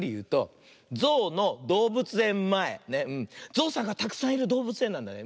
ぞうさんがたくさんいるどうぶつえんなんだね。